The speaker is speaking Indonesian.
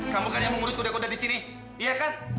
kamu kan yang mengurus kuda kuda di sini iya kan